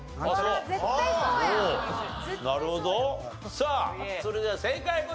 さあそれでは正解こちら。